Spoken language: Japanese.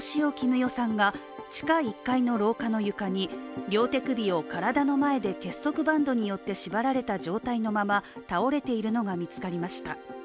与さんが、地下１階の廊下の床に両手首を体の前で結束バンドが縛られた状態のまま倒れているのが見つかりました。